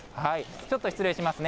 ちょっと失礼しますね。